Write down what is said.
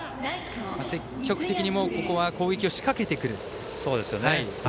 積極的に攻撃を仕掛けてくる。